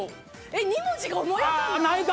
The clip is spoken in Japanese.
２文字が思い当たんない。